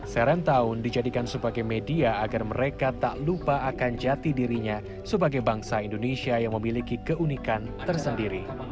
serentaw dijadikan sebagai media agar mereka tak lupa akan jati dirinya sebagai bangsa indonesia yang memiliki keunikan tersendiri